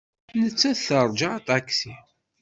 Nettat teṛja aṭaksi.